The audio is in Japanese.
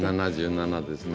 ７７ですね。